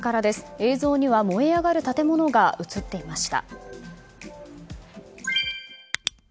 映像には燃え上がる建物が映っていました。